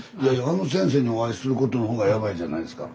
あの先生にお会いすることのほうがヤバいんじゃないですか？